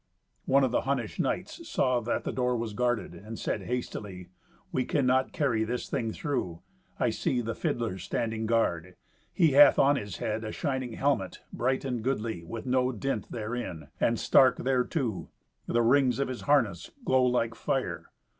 One of the Hunnish knights saw that the door was guarded, and said hastily, "We cannot carry this thing through. I see the fiddler standing guard. He hath on his head a shining helmet, bright and goodly, with no dint therein, and stark thereto. The rings of his harness glow like fire.